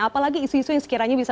apalagi isu isu yang sekiranya bisa